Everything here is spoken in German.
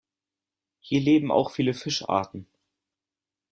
Hier leben auch viele Fischarten.